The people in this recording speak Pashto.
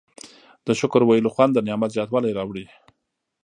د شکر ویلو خوند د نعمت زیاتوالی راوړي.